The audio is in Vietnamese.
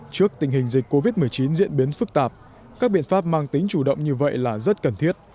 trước tình hình dịch covid một mươi chín diễn biến phức tạp các biện pháp mang tính chủ động như vậy là rất cần thiết